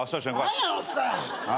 何やおっさん。